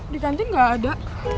di kantin gak ada